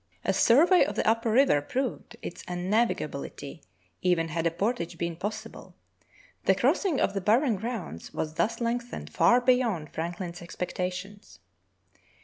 A survey of the upper river proved its unnavigability even had a portage been possible. The crossing of the barren grounds was thus lengthened far beyond Franklin's expectations.